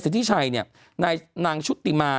ศิริชัยนางชุดติมา